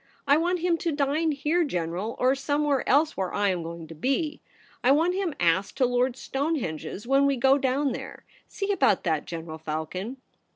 I want him to dine here, General, or some where else where I am to be. I want him asked to Lord Stonehenge's when we go down there. See about that, General Falcon.'